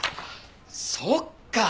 そっか！